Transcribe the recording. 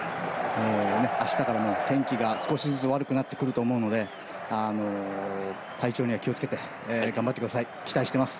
明日からの天気が少しずつ悪くなってくると思うので体調には気をつけて頑張ってください期待しています。